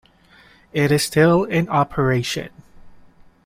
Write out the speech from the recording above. It is still in operation.